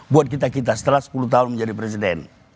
buat kita kita setelah sepuluh tahun menjadi presiden